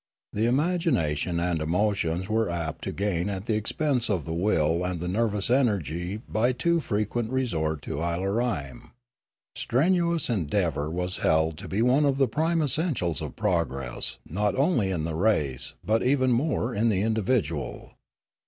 The imagination and emotions were apt to gain at the expense of the will and the nervous energy by too frequent resort to Ilarime. Strenuous endeavour was held to be one of the prime essentials of progress, not only in the race, but even more in the individual.